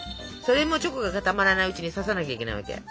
それもチョコが固まらないうちに刺さなきゃいけないわけ。